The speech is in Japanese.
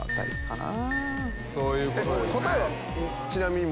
答えはちなみにもう。